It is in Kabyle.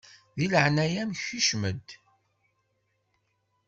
Di leɛnaya-m kcem-d!